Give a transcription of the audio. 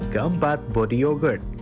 keempat body yogurt